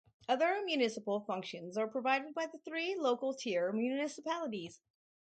Other municipal functions are provided by the three local-tier municipalities.